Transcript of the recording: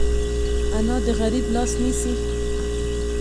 انا د غریب لاس نیسي